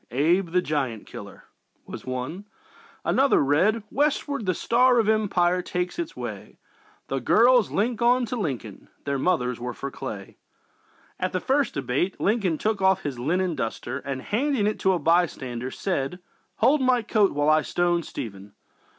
||| Abe the Giant Killer ||| was one. Another read: ||| Westward the Star of Empire takes its way; | |The girls link on to Lincoln, their mothers were for Clay. ||| At the first debate Lincoln took off his linen duster and, handing it to a bystander, said: "Hold my coat while I stone Stephen!"